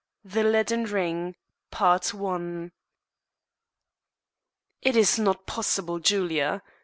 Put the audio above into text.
THE LEADEN RING "It is not possible, Julia.